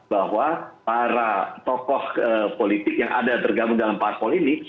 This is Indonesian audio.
bahwa para tokoh politik yang ada tergabung dalam parpol ini